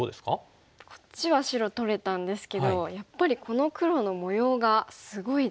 こっちは白取れたんですけどやっぱりこの黒の模様がすごいですね。